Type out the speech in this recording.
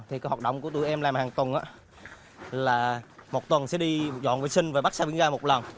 thì cái hoạt động của tụi em làm hàng tuần là một tuần sẽ đi dọn vệ sinh và bắt xa biển gai một lần